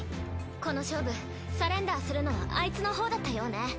この勝負サレンダーするのはアイツのほうだったようね。